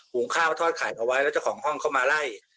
งข้าวทอดไข่เอาไว้แล้วเจ้าของห้องเข้ามาไล่